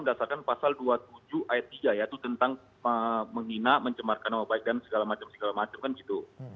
berdasarkan pasal dua puluh tujuh ayat tiga yaitu tentang menghina mencemarkan nama baik dan segala macam segala macam kan gitu